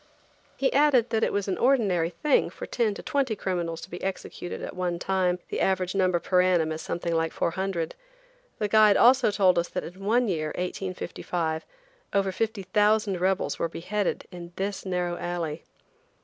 He added that it was an ordinary thing for ten to twenty criminals to be executed at one time. The average number per annum is something like 400. The guide also told us that in one year, 1855, over 50,000 rebels were beheaded in this narrow alley.